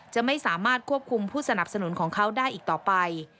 จะไม่สามารถควบคุมผู้สนับสนุนของเขาได้อีกต่อไป